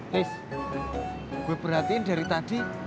terus gue perhatiin dari tadi